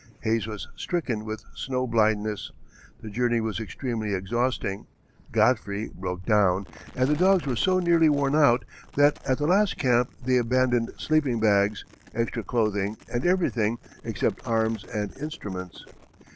Hayes was stricken with snow blindness; the journey was extremely exhausting; Godfrey broke down, and the dogs were so nearly worn out that at the last camp they abandoned sleeping bags, extra clothing, and everything except arms and instruments.